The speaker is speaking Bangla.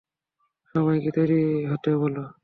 সবাইকে তৈরি হতে বলো।